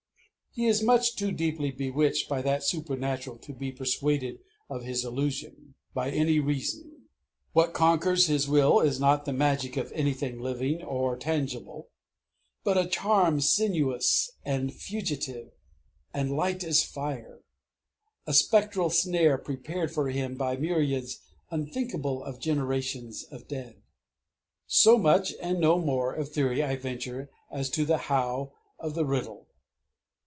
He is much too deeply bewitched by that supernatural to be persuaded of his illusion, by any reasoning. What conquers his will is not the magic of anything living or tangible, but a charm sinuous and fugitive and light as fire, a spectral snare prepared for him by myriads unthinkable of generations of dead. So much and no more of theory I venture as to the how of the riddle.